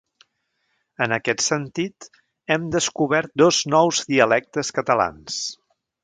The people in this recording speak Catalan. En aquest sentit, hem descobert dos nous dialectes catalans.